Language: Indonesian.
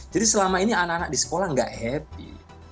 selama ini anak anak di sekolah nggak happy